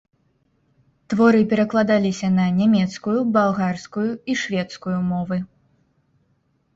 Творы перакладаліся на нямецкую, балгарскую і шведскую мовы.